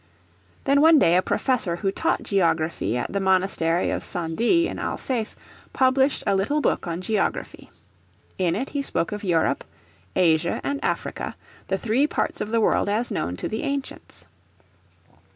Then one day a professor who taught geography at the Monastery of St. Dié in Alsace published a little book on geography. In it he spoke of Europe, Asia and Africa, the three parts of the world as known to the ancients.